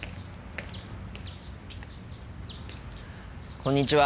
こんにちは。